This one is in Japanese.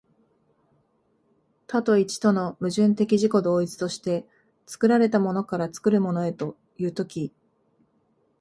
多と一との矛盾的自己同一として、作られたものから作るものへという時、